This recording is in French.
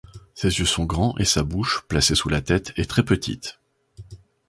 Ses yeux sont grands et sa bouche, placée sous la tête, est très petite.